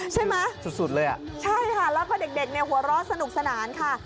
ใช่ไหมใช่ค่ะแล้วก็เด็กหัวรอดสนุกสนานค่ะ